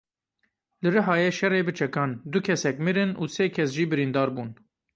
Li Rihayê şerê bi çekan, du kesek mirin û sê kes jî birîndar bûn.